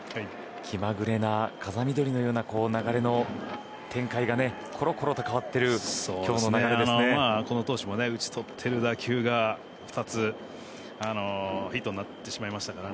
気まぐれな風見鶏のような流れの展開がコロコロと変わっている近藤投手も打ち取った打球が２つ、ヒットになってしまいましたから。